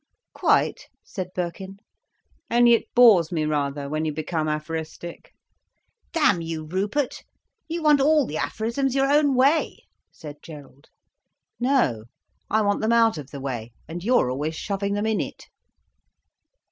"Quite," said Birkin. "Only it bores me rather, when you become aphoristic." "Damn you, Rupert, you want all the aphorisms your own way," said Gerald. "No. I want them out of the way, and you're always shoving them in it."